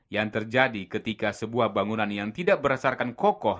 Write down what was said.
yang terjadi ketika sebuah bangunan yang tidak berdasarkan kokoh